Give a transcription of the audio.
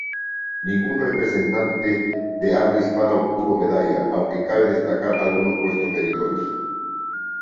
Ningún representante de habla hispana obtuvo medalla, aunque cabe destacar algunos puestos meritorios.